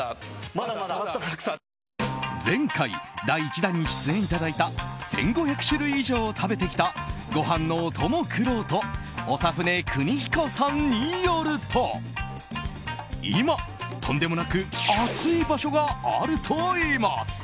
前回、第１弾に出演いただいた１５００種類以上を食べてきたご飯のお供くろうと長船クニヒコさんによると今、とんでもなく熱い場所があるといいます。